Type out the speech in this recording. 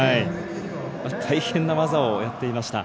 大変な技をやっていました。